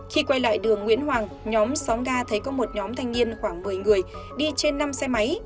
khi quay lại đường nguyễn hoàng nhóm xóm ga thấy có một nhóm thanh niên khoảng một mươi người đi trên năm xe máy